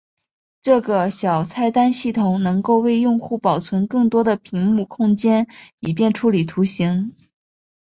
这个小菜单系统能够为用户保存更多的屏幕空间以便处理图形。